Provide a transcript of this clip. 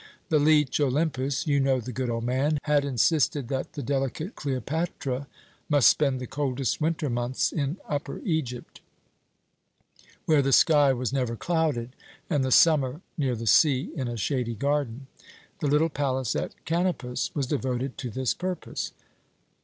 The leech Olympus you know the good old man had insisted that the delicate Cleopatra must spend the coldest winter months in Upper Egypt, where the sky was never clouded, and the summer near the sea in a shady garden. The little palace at Kanopus was devoted to this purpose.